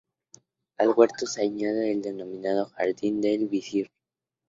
Al huerto se añade el denominado jardín del Visir.